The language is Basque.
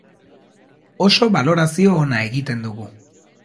Oso balorazio ona egiten dugu.